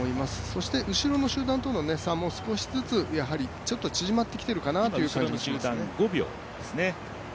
そして後ろの集団との差も少しずつちょっと縮まってきているかなという感じもしますね。